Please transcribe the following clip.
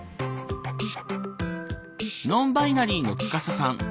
ノンバイナリーのツカサさん。